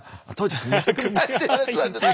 当時「組合」って言われてたんですよ。